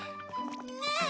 ねえ！